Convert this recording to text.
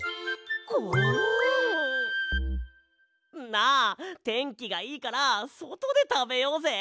なあてんきがいいからそとでたべようぜ！